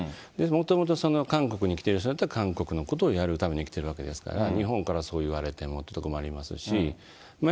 もともとその韓国に来ている人たちは韓国のことをやるために来てるわけですから、日本からはそう言われてもというところはありますし。